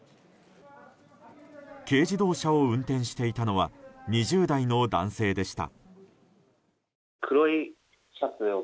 軽自動車を運転していたのは２０代の男性でした。